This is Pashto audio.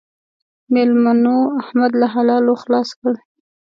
مېلمنو؛ احمد له حلالو خلاص کړ.